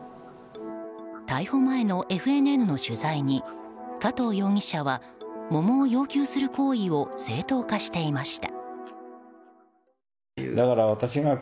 逮捕前のＦＮＮの取材に加藤容疑者は桃を要求する行為を正当化していました。